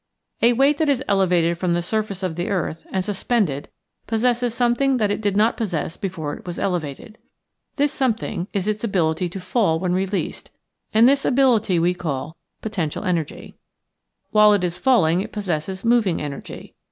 A weight that is elevated from the surface of the earth and suspended possesses some thing that it did not possess before it was elevated. This something is its ability to fall when released, and this ability we call Potential Energy. While it is falling it pos sesses Moving Energy.